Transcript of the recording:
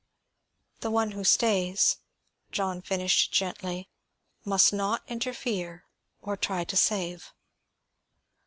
"The one who stays," John finished gently, "must not interfere or try to save."